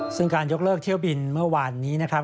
ซึ่งการยกเลิกเที่ยวบินเมื่อวานนี้นะครับ